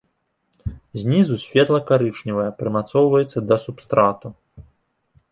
Знізу светла-карычневая, прымацоўваецца да субстрату.